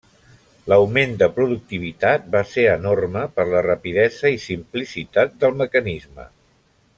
L'augment de productivitat va ser enorme, per la rapidesa i simplicitat del mecanisme.